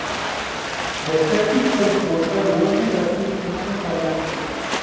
دەسلەپكى چىقىرىش بولسا يېڭىدىن رەسىم چىقىرىشنى تاللاش كېرەك.